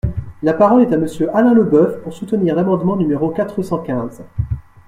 La parole est à Monsieur Alain Leboeuf, pour soutenir l’amendement numéro quatre cent quinze.